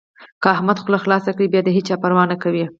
که احمد خوله خلاصه کړي؛ بيا د هيچا پروا نه کوي.